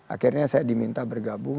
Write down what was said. akhirnya saya diminta bergabung